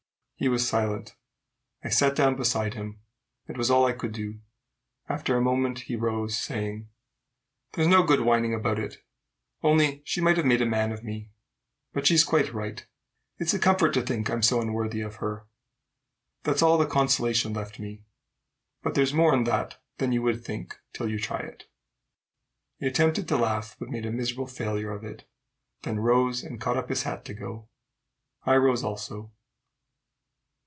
He was silent. I sat down beside him. It was all I could do. After a moment he rose, saying, "There's no good whining about it, only she might have made a man of me. But she's quite right. It's a comfort to think I'm so unworthy of her. That's all the consolation left me, but there's more in that than you would think till you try it." He attempted to laugh, but made a miserable failure of it, then rose and caught up his hat to go. I rose also.